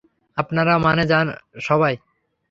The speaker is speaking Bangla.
আপনারা মানে সবাই।